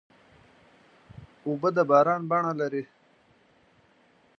اوبه د باران بڼه لري.